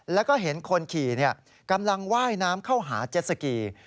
แล้วก็เห็นคนขี่กำลังว่ายน้ำเข้าหาเจ็ดสกี